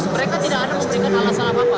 mereka tidak ada memberikan alasan apa apa